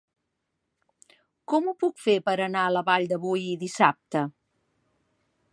Com ho puc fer per anar a la Vall de Boí dissabte?